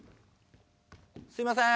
すいません。